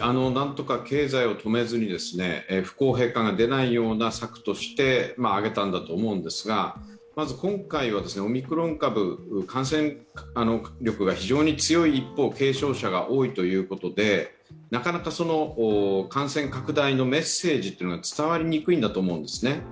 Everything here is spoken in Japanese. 何とか経済を止めずに不公平感が出ないような策として挙げたんだと思うんですが今回はオミクロン株、感染力が非常に強い一方、軽症者が多いということで、なかなか、感染拡大のメッセージというのが伝わりにくいんだと思うんですね。